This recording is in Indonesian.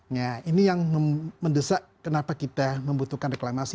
nah ini yang mendesak kenapa kita membutuhkan reklamasi